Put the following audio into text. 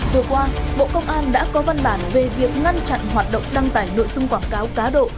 vừa qua bộ công an đã có văn bản về việc ngăn chặn hoạt động đăng tải nội dung quảng cáo cá độ